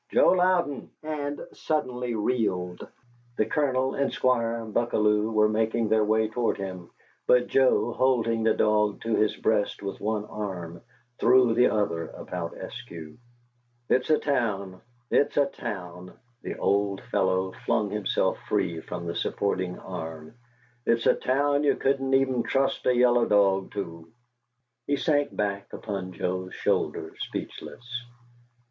"Joe Louden!" and suddenly reeled. The Colonel and Squire Buckalew were making their way toward him, but Joe, holding the dog to his breast with one arm, threw the other about Eskew. "It's a town it's a town" the old fellow flung himself free from the supporting arm "it's a town you couldn't even trust a yellow dog to!" He sank back upon Joe's shoulder, speechless.